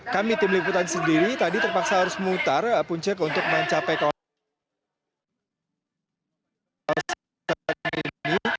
kami tim liputan sendiri tadi terpaksa harus memutar puncak untuk mencapai kawasan ini